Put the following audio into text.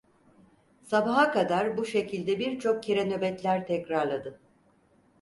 Sabaha kadar bu şekilde birçok kere nöbetler tekrarladı.